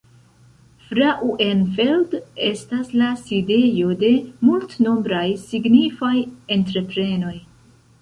Frauenfeld estas la sidejo de multnombraj signifaj entreprenoj.